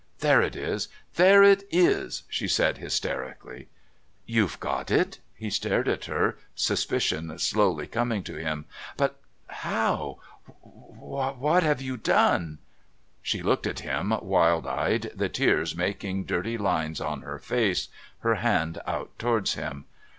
"There it is! There it is!" she said hysterically. "You've got it?" He stared at her, suspicion slowly coming to him. "But how ? What have you done?" She looked up at him wild eyed, the tears making dirty lines on her face, her hand out towards him.